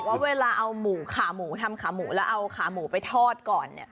ว่าเวลาเอาหมูขาหมูทำขาหมูแล้วเอาขาหมูไปทอดก่อนเนี่ย